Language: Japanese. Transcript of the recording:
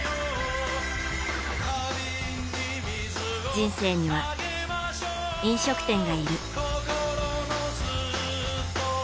人生には、飲食店がいる。